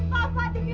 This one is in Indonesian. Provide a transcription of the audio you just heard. pergi pergi pergi